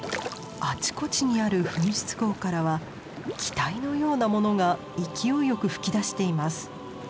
あちこちにある噴出口からは気体のようなものが勢いよく噴き出しています。